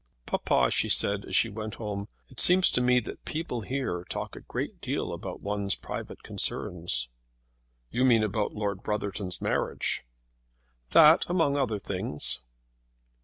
"Papa," she said, as she went home, "it seems to me that people here talk a great deal about one's private concerns." "You mean about Lord Brotherton's marriage." "That among other things."